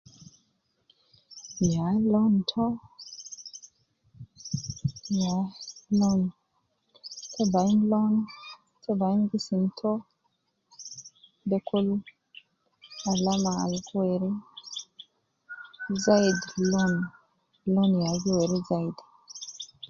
Ya lon too, ya lon tebayin lon ,tebayin gisim too, de kul alama al gu weri zaidi lon, lon ya gi weri zaidi